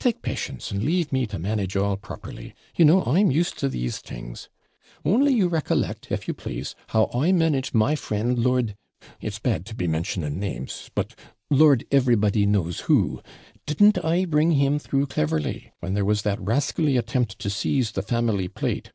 Take patience, and leave me to manage all properly you know I'm used to these things, Only you recollect, if you please, how I managed my friend Lord ; it's bad to be mentioning names but Lord EVERYBODY KNOWS WHO didn't I bring him through cleverly, when there was that rascally attempt to seize the family plate?